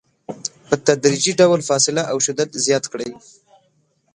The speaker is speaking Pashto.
په تدریجي ډول فاصله او شدت زیات کړئ.